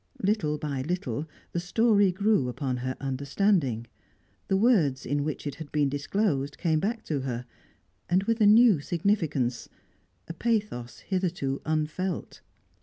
Little by little the story grew upon her understanding; the words in which it had been disclosed came back to her, and with a new significance, a pathos hitherto unfelt.